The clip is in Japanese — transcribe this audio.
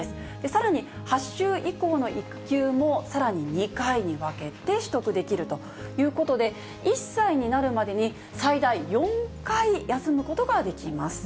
さらに、８週以降の育休もさらに２回に分けて取得できるということで、１歳になるまでに、最大４回、休むことができます。